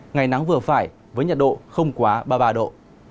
ngày nắng vừa phải với nhiệt độ không quá ba mươi ba độ